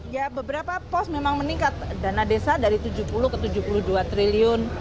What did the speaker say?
ya beberapa pos memang meningkat dana desa dari tujuh puluh ke tujuh puluh dua triliun